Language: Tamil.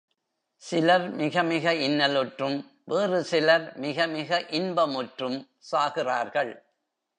சிலர் மிகமிக இன்னலுற்றும் வேறுசிலர் மிகமிக இன்பமுற்றும் சாகிறார்கள்.